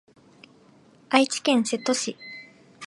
愛知県瀬戸市